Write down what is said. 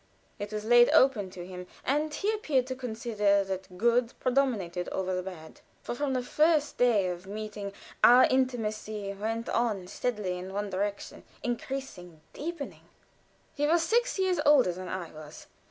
It was laid open to him, and he appeared to consider that the good predominated over the bad; for, from that first day of meeting, our intimacy went on steadily in one direction increasing, deepening. He was six years older than I was.